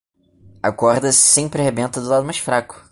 A corda sempre arrebenta do lado mais fraco